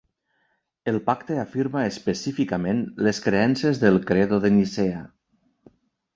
El pacte afirma específicament les creences del Credo de Nicea.